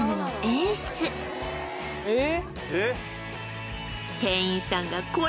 えっ？